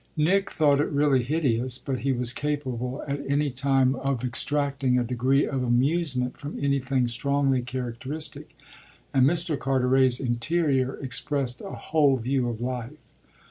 Nick thought it really hideous, but he was capable at any time of extracting a degree of amusement from anything strongly characteristic, and Mr. Carteret's interior expressed a whole view of life.